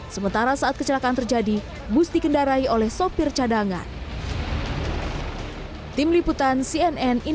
sementara saat kecelakaan terjadi bus dikendarai oleh sopir cadangan